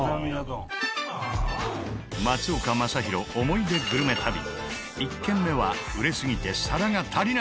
松岡昌宏思い出グルメ旅１軒目は売れすぎて皿が足りない！